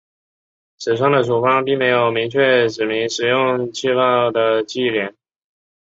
始创的处方并没有明确指明使用起泡的忌廉。